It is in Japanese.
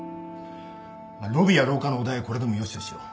まあロビーや廊下のお題はこれでもよしとしよう。